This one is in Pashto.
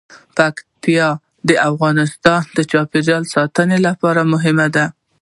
پکتیکا د افغانستان د چاپیریال ساتنې لپاره مهم دي.